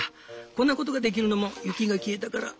こんなことができるのも雪が消えたから。